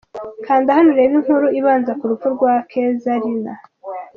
Kanda hano urebe inkuru ibanza ku rupfu rwa Keza Linah.